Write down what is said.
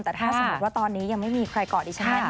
แต่ถ้าสมมุติว่าตอนนี้ยังไม่มีใครกอดดิฉัน